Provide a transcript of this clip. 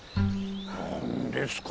何ですか？